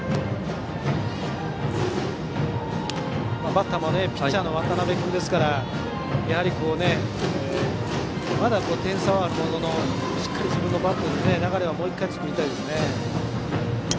バッターもピッチャーの渡辺君なのでやはり、まだ点差はあるもののしっかり自分のバットで流れをもう１回作りたいですね。